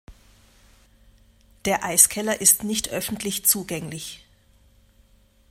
Der Eiskeller ist nicht öffentlich zugänglich.